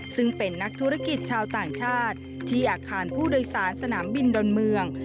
ซึ่งเป็นนักธุรกิจชาวต่างชาติที่อาคารผู้โดยสารสนามบินดอนเมือง